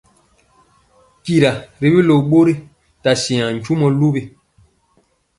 Tyira tibi ló bori ta siaŋ tyumɔ luwi.